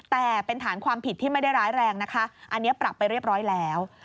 แต่เป็นฐานความผิดที่ไม่ได้ร้ายแรงนะคะอันนี้ปรับไปเรียบร้อยแล้ว